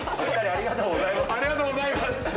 ありがとうございます。